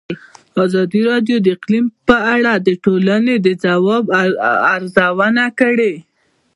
ازادي راډیو د اقلیم په اړه د ټولنې د ځواب ارزونه کړې.